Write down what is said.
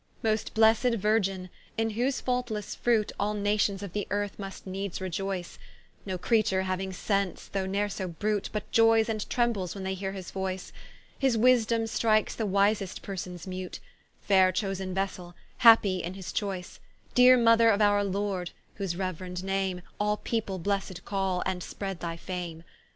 Most blessed Virgin, in whose faultlesse fruit, All Nations of the earth must needes reioyce, No Creature hauing sence though ne'r so brute, But ioyes and trembles when they heare his voyce; His wisedome strikes the wisest persons mute, Faire chosen vessell, happy in his choyce: Deere mother of our Lord, whose reuerend name, All people Blessed call, and spread thy fame.